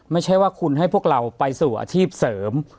ไม่ใช่ว่าคุณให้พวกเราไปสู่อาชีพเสริม